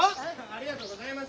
ありがとうございます。